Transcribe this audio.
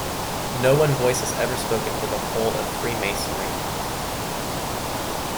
No one voice has ever spoken for the whole of Freemasonry.